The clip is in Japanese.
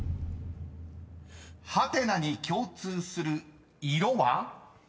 ［ハテナに共通する色は？］